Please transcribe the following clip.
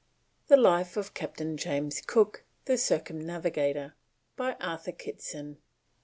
THE LIFE OF CAPTAIN JAMES COOK THE CIRCUMNAVIGATOR BY ARTHUR KITSON.